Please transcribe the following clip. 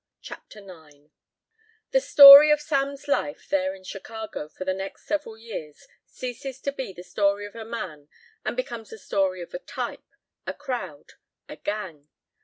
CHAPTER IX The story of Sam's life there in Chicago for the next several years ceases to be the story of a man and becomes the story of a type, a crowd, a gang.